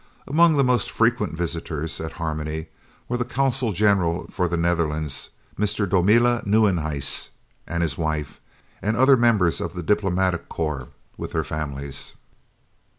Amongst the most frequent visitors at Harmony were the Consul General for the Netherlands, Mr. Domela Nieuwenhuis and his wife, and other members of the Diplomatic Corps with their families.